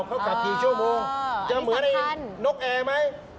เขากลับกี่ชั่วโมงจะเหมือนนกแอร์ไหม